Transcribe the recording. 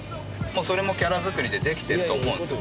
それもキャラづくりでできてると思うんですよ